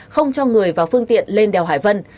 không cho người vào phương tiện lên đèo hải vân